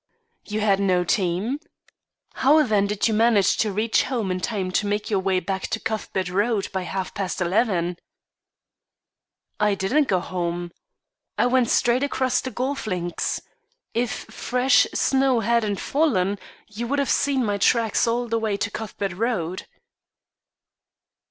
"You had no team? How then did you manage to reach home in time to make your way back to Cuthbert Road by half past eleven?" "I didn't go home. I went straight across the golf links. If fresh snow hadn't fallen, you would have seen my tracks all the way to Cuthbert Road."